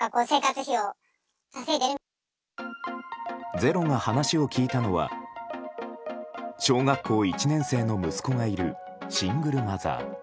「ｚｅｒｏ」が話を聞いたのは小学校１年生の息子がいるシングルマザー。